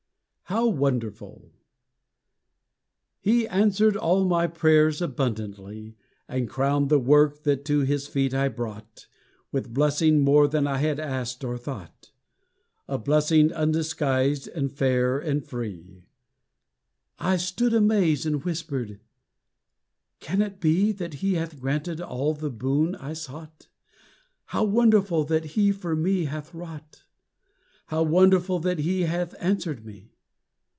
How Wonderful! He answered all my prayer abundantly, And crowned the work that to his feet I brought, With blessing more than I had asked or thought, A blessing undisguised, and fair, and free. I stood amazed, and whispered, "Can it be That he hath granted all the boon I sought? How wonderful that he for me hath wrought! How wonderful that he hath answered me!"